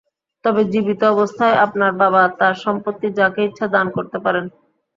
তবে জীবিত অবস্থায় আপনার বাবা তাঁর সম্পত্তি যাকে ইচ্ছা দান করতে পারেন।